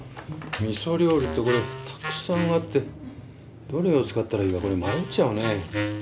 味噌料理ってこれたくさんあってどれを使ったらいいかこれ迷っちゃうね。